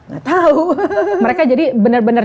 gak tau mereka jadi bener bener